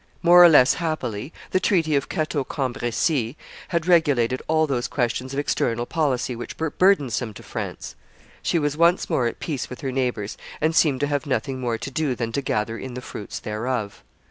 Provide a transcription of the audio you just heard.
More or less happily, the treaty of Cateau Cambreis had regulated all those questions of external policy which were burdensome to France; she was once more at peace with her neighbors, and seemed to have nothing more to do than to gather in the fruits thereof.